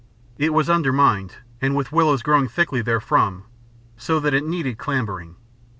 It was undermined, and with willows growing thickly therefrom, so that it needed clambering.